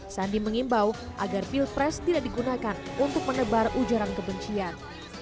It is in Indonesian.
sandi mengimbau agar pilpres tidak digunakan untuk menebar ujaran kebencian